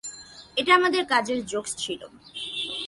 এটা আমাদের কাজের জোক্স ছিলো।